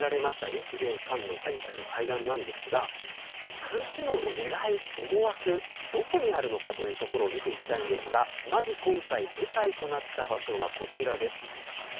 日米韓の今回の会談なんですが３首脳の狙い、思惑どこにあるのかというところを見ていきたいんですがまず今回、舞台となった場所がこちらです。